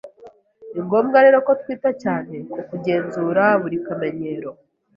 ningombwa rero ko twita cyane ku kugenzura buri kamenyero